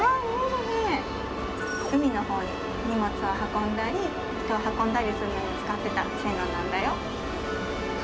海の方に荷物を運んだり人を運んだりするのに使っていた線路なんだよ。